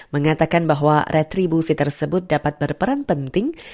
mengatakan bahwa retribusi tersebut dapat berperan penting